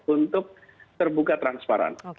untuk terbuka transparan